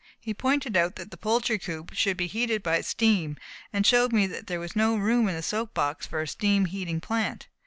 He pointed out that the poultry coop should be heated by steam, and showed me that there was no room in the soap box for a steam heating plant.